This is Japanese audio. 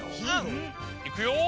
いくよ